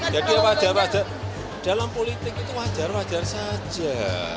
jadi wajar wajar dalam politik itu wajar wajar saja